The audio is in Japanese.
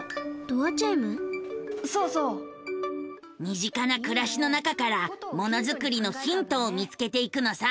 身近な暮らしの中からものづくりのヒントを見つけていくのさ。